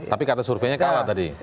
tapi kata surveinya kalah tadi